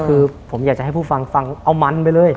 คือผมอยากจะให้ผู้ฟังฟังเอามันไปเลย